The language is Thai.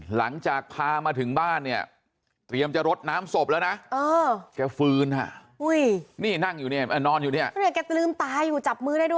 หลังจากพามาถึงบ้านเนี่ยเรียมจะรดน้ำสบแล้วนะ